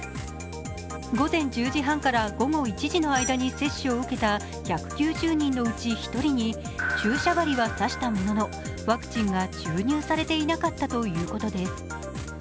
午前１０時半から午後１時の間に接種を受けた１９０人のうち１人に注射針は刺したもののワクチンが注入されていなかったということです。